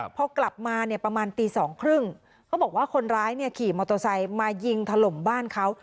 พอกลับมาเนี่ยประมาณตี๒๓๐เขาบอกว่าคนร้ายเนี่ยขี่มอโตซัยมายิงถล่มบ้านเขา